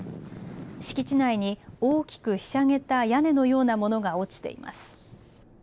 敷地内に大きくひしゃげた屋根のようなものが落ちています。